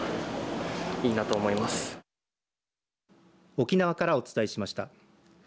沖縄からお伝えしました。